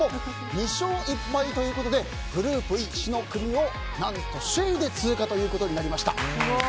２勝１敗ということでグループＥ、死の組を何と首位で通過ということになりました。